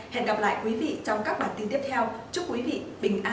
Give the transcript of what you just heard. hẹn gặp lại quý vị trong các bản tin tiếp theo chúc quý vị bình an trong đại dịch